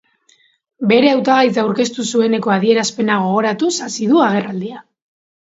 Bere hautagaitza aurkeztu zueneko adierazpenak gogoratuz hasi du agerraldia.